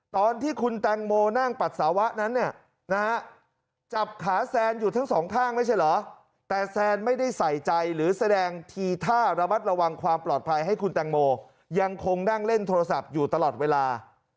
ตอนที่คุณแตงโมนั่งปัสสาวะนั้นเนี่ยนะฮะจับขาแซนอยู่ทั้งสองข้างไม่ใช่เหรอแต่แซนไม่ได้ใส่ใจหรือแสดงทีท่าระมัดระวังความปลอดภัยให้คุณแตงโมยังคงนั่งเล่นโทรศัพท์อยู่ตลอดเวลา